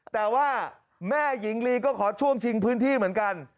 แต่ว่าแม่หญิงลีก็ขอช่วงชิงพื้นที่เหมือนกัน